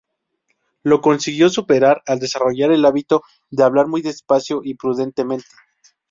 Lo consiguió superar al desarrollar el hábito de hablar muy despacio y prudentemente.